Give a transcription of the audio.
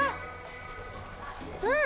うん！